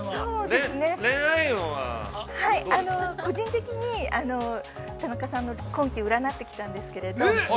◆個人的に、田中さんの婚期を占ってきたんですけど。